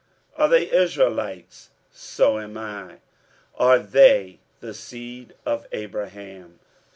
Are they Israelites? so am I. Are they the seed of Abraham?